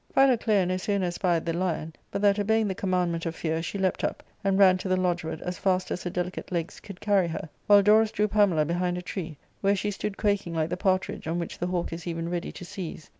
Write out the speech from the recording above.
Phi loclea no sooner espied the lion, but that, obeying the com mandment of fear, she leapt up and ran to the lodge ward as fast as her delicate legs could carry her, while Dorus drew^ Pamela behind a tree, where she stood' quaking like the partridge on which the hawk is even ready to seize.